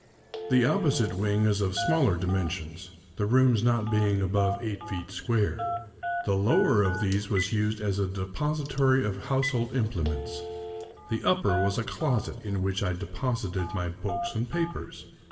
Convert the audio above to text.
The opposite wing is of smaller dimensions, the rooms not being above eight feet square. The lower of these was used as a depository of household implements; the upper was a closet in which I deposited my books and papers.